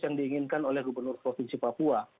yang diinginkan oleh gubernur provinsi papua